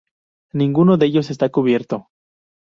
Ninguno de ellos está cubierto.